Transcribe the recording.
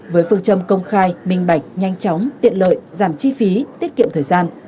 với phương châm công khai minh bạch nhanh chóng tiện lợi giảm chi phí tiết kiệm thời gian